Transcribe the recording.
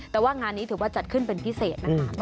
แต่ว่างานนี้ถือว่าจัดขึ้นเป็นพิเศษนะคะ